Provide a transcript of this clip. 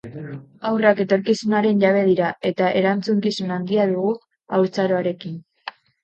Haurrak etorkizunaren jabe dira eta erantzukizun handia dugu haurtzaroarekin.